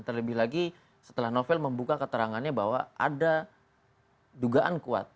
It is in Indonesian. terlebih lagi setelah novel membuka keterangannya bahwa ada dugaan kuat